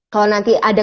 kalau nanti ada